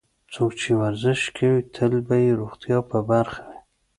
څوک چې ورزش کوي، تل به یې روغتیا په برخه وي.